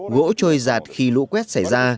gỗ trôi giạt khi lũ quét xảy ra